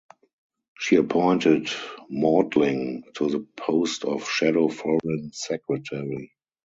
She appointed Maudling to the post of Shadow Foreign Secretary.